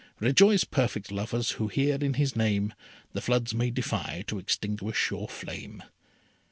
Rejoice, Perfect Lovers, who here, in his name The floods may defy to extinguish your flame.